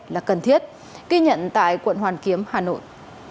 là cần thiết ghi nhận tại quận hoàn kiếm hà nội